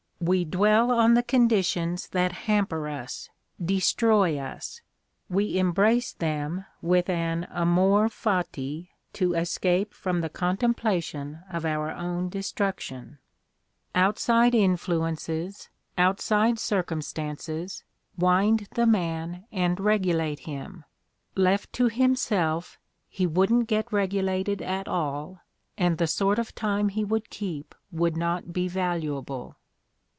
We dwell on the conditions that hamper us, destroy us, we embrace them with an amor fati, to escape from the contemplation of our own destruction. "Outside influ 262 The Ordeal of Mark Twain ences, outside circumstances, wind the man and regu late him. Left to himself, he wouldn't get regulated at all, and the sort of time he would keep would not be valuable."